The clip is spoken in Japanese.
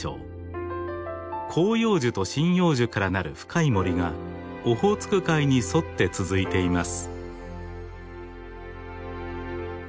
広葉樹と針葉樹からなる深い森がオホーツク海に沿って続いています。